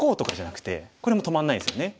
これも止まんないですよね。